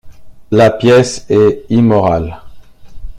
La pièce est immorale?